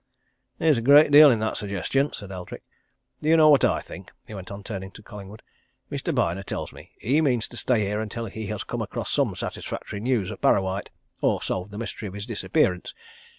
"There's a great deal in that suggestion," said Eldrick. "Do you know what I think?" he went on, turning to Collingwood, "Mr. Byner tells me he means to stay here until he has come across some satisfactory news of Parrawhite or solved the mystery of his disappearance.